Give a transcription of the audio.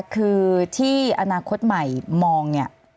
คือที่อนาคตใหม่มอง